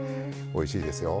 おいしいですよ。